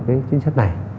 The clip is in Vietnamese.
cái chính sách này